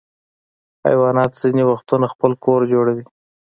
حیوانات ځینې وختونه خپل کور جوړوي.